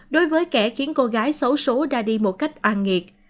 đối với kẻ khiến cô gái xấu số ra đi một cách oan nghiệt